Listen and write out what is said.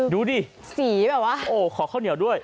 ดูดิสีแบบว่าโอ้ขอข้าวเหนียวด้วย